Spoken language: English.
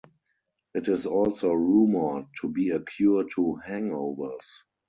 It is also rumoured to be a cure to hangovers.